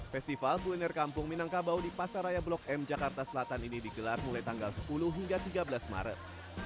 festival kuliner kampung minangkabau di pasaraya blok m jakarta selatan ini digelar mulai tanggal sepuluh hingga tiga belas maret